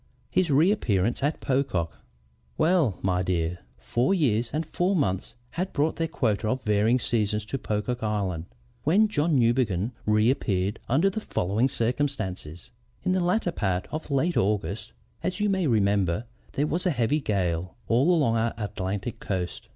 HIS REAPPEARANCE AT POCOCK "Well, my dear , four years and four months had brought their quota of varying seasons to Pocock Island when John Newbegin reappeared under the following circumstances: "In the latter part of last August, as you may remember, there was a heavy gale all along our Atlantic coast.